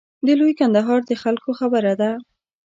د لوی کندهار د خلکو خبره ده.